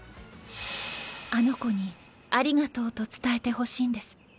あの子にありがとうと伝えてほしいんです